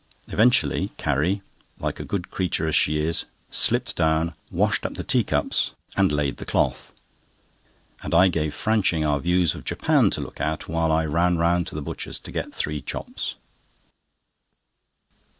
Eventually Carrie, like a good creature as she is, slipped down, washed up the teacups, and laid the cloth, and I gave Franching our views of Japan to look at while I ran round to the butcher's to get three chops.